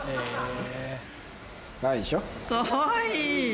かわいい！